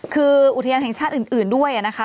คืออุทยานแห่งชาติอื่นด้วยนะคะ